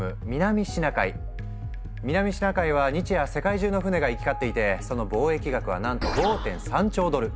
南シナ海は日夜世界中の船が行き交っていてその貿易額はなんと５．３兆ドル！